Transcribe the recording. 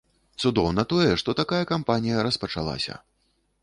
Цудоўна тое, што такая кампанія распачалася.